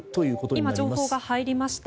今情報が入りました。